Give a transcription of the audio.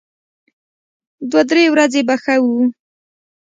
دوه درې ورځې به ښه و.